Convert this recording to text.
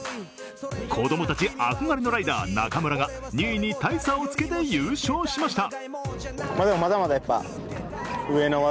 子供たち憧れのライダー・中村が２位に大差をつけて優勝しました。